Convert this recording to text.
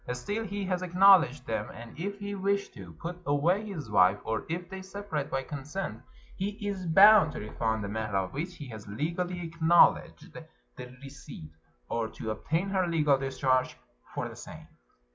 Still, he has acknowledged them; and if he wish to put away his wife, or if they separate by consent, he is bound to refund the mehr of which he has legally acknowledged the receipt, or to obtain her legal discharge for the same.